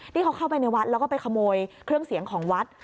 เข้าไปในวัดแล้วก็ไปขโมยเครื่องเสียงของวัด